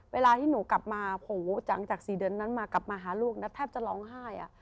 เวลาที่หนูกลับมาหลังจาก๔เดือนนั้นมากลับมาหาลูกนะแทบจะร้องไห้